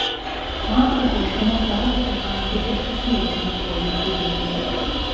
Мала таго, што ў нас дарога такая, дык яшчэ смецце не вывозяць тыднямі.